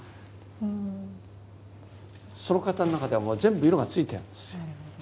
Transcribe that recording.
その方の中ではもう全部色がついてるんですよ。